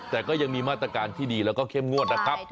แต่ก็ยังมีมาตรการที่ดีแล้วก็เข้มงวดนะครับ